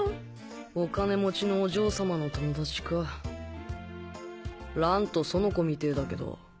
お金持ちのお嬢様の友達か蘭と園子みてぇだけど